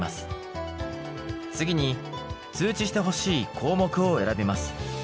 次に通知してほしい項目を選びます。